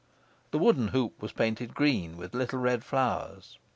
The wooden hoop was painted green with little red flowers.